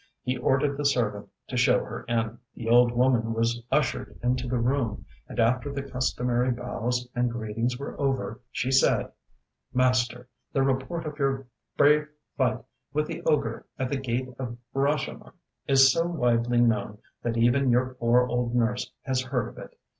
He ordered the servant to show her in. The old woman was ushered into the room, and after the customary bows and greetings were over, she said: ŌĆ£Master, the report of your brave fight with the ogre at the Gate of Rashomon is so widely known that even your poor old nurse has heard of it.